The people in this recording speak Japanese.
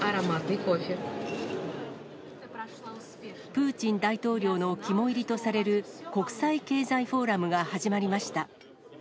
プーチン大統領の肝煎りとされる国際経済フォーラムが始まりました。